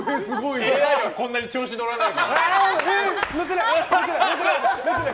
ＡＩはこんなに調子乗らないから。